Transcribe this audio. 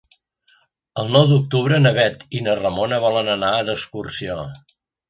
El nou d'octubre na Bet i na Ramona volen anar d'excursió.